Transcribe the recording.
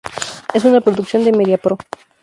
Es una producción de Mediapro.